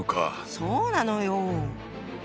そうなのよ！